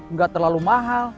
nggak terlalu mahal